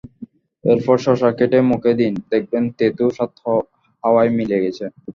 এরপর শসা কেটে মুখে দিন, দেখবেন তেতো স্বাদ হাওয়ায় মিলিয়ে গেছে।